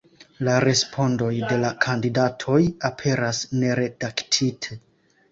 La respondoj de la kandidatoj aperas neredaktite.